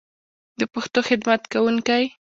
د پښتو خدمت کوونکی